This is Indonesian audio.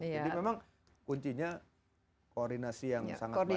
jadi memang kuncinya koordinasi yang sangat baik dengan daerah